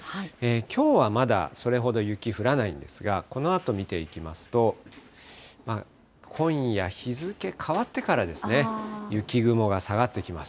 きょうはまだそれほど雪降らないんですが、このあと見ていきますと、今夜日付変わってから、雪雲が下がってきます。